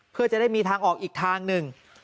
เพื่อจะได้มีทางออกอีกทางหนึ่ง